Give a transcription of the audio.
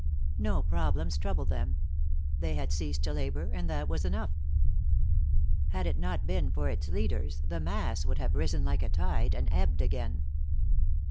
No problems troubled them. They had ceased to labor, and that was enough. Had it not been for its leaders, the mass would have risen like a tide, and ebbed again.